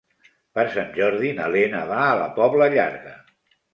Per Sant Jordi na Lena va a la Pobla Llarga.